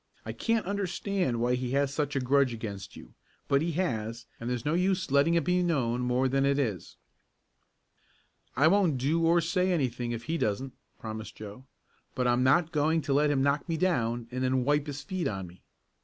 I can't understand why he has such a grudge against you, but he has and there's no use letting it be known any more than it is." "I won't do or say anything if he doesn't," promised Joe. "But I'm not going to let him knock me down and then wipe his feet on me."